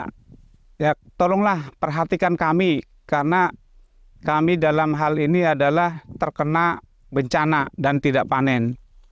karena tolonglah perhatikan kami karena kami dalam hal ini adalah terkena bencana dan tidak panen